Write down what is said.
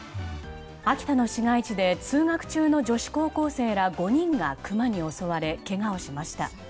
秋田の市街地で通学中の女子高校生ら５人がクマに襲われ、けがをしました。